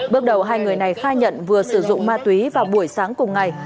bước đầu hai người này khai nhận vừa sử dụng ma túy vào buổi sáng cùng ngày